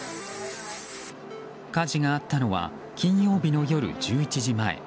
火事があったのは金曜日の夜１１時前。